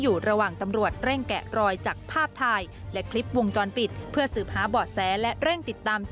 หนูก็ไม่รู้เหมือนกัน